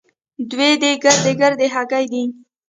دوې دې ګردۍ ګردۍ هګۍ دي.